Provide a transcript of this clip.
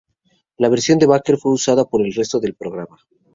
La versión de Baker fue usada por el resto del programa.